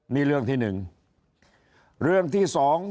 นี่เรื่องที่๑เรื่องที่๒